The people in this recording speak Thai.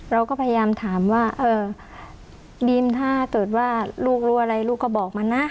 เราก็พยายามถามว่าเออดินถ้าเกิดว่าลูกรู้อะไรลูกก็บอกมันนะ